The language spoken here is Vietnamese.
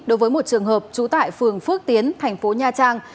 đối với một trường hợp trú tại phường phước tiến thành phố nha trang